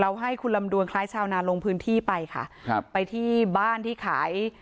ให้คุณลำดวนคล้ายชาวนาลงพื้นที่ไปค่ะครับไปที่บ้านที่ขาย